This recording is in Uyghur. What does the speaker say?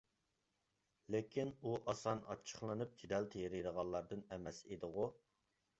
لېكىن، ئۇ ئاسان ئاچچىقلىنىپ، جېدەل تېرىيدىغانلاردىن ئەمەس ئىدىغۇ؟